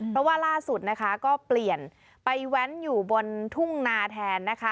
เพราะว่าล่าสุดนะคะก็เปลี่ยนไปแว้นอยู่บนทุ่งนาแทนนะคะ